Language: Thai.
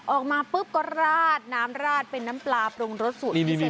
ออกมาปุ๊บก็ราดน้ำราดเป็นน้ำปลาปรุงรสสุด